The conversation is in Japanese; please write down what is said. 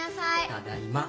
ただいま。